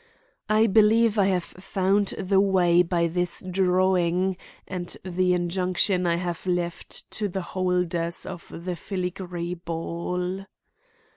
I believe I have found the way by this drawing and the injunction I have left to the holders of the filigree ball.